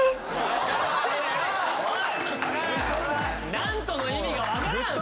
何との意味が分からん！